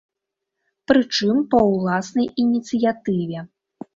Прычым, па ўласнай ініцыятыве.